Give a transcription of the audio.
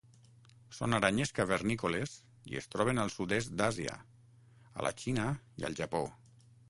Són aranyes cavernícoles i es troben al sud-est d'Àsia, a la Xina i al Japó.